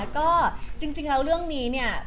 ก็จริงแล้วเรื่องนี้เนี่ย